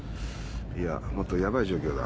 いやもっとやばい状況だ。